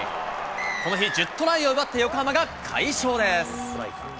この日、１０トライを奪って、横浜が快勝です。